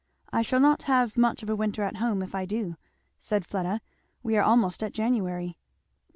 "I shall not have much of a winter at home if I do," said Fleda. "We are almost at January."